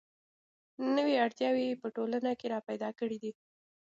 نوې اړتیاوې یې په ټولنه کې را پیدا کړې دي.